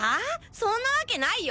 そんなワケないよ！？